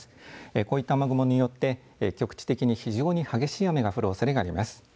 こういった雨雲によって局地的に非常に激しい雨が降るおそれがあります。